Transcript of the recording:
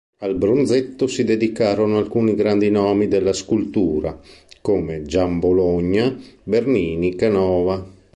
Al bronzetto si dedicarono alcuni grandi nomi della scultura, come Giambologna, Bernini, Canova.